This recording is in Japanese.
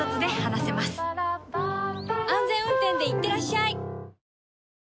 安全運転でいってらっしゃい